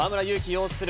擁する